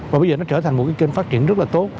và bây giờ nó trở thành một cái kênh phát triển rất là tốt